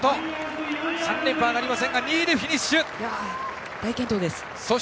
３連覇はなりませんが２位でフィニッシュ。